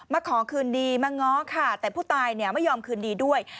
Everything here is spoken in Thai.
ขอคืนดีมาง้อค่ะแต่ผู้ตายไม่ยอมคืนดีด้วย